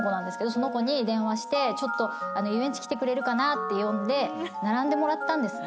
その子に電話してちょっと遊園地来てくれるかなって呼んで並んでもらったんですね。